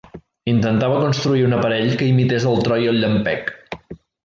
Intentava construir un aparell que imités el tro i el llampec.